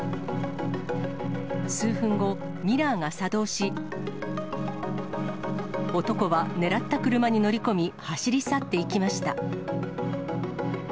数分後、ミラーが作動し、男は狙った車に乗り込み走り去っていきました。